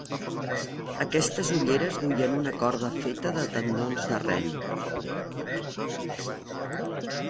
Aquestes ulleres duien una corda feta de tendons de ren.